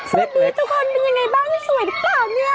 สวัสดีทุกคนเป็นอย่างไรบ้างสวยด้วยครับเนี่ย